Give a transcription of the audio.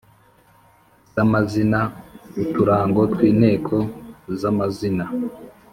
za mazina. Uturango twi nteko za mazina